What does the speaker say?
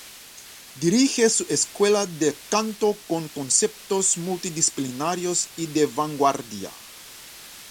Dirige su escuela de canto con conceptos multidisciplinarios y de vanguardia.